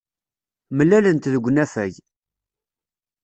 Mlalent deg unafag.